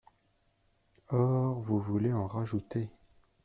Or vous voulez en rajouter.